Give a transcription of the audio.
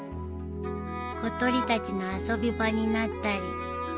小鳥たちの遊び場になったり。